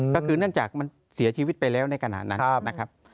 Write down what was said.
ก็คือเนื่องจากมันเสียชีวิตไปแล้วในขณะนั้นนะครับ